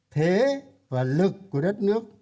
thế và lực của đất nước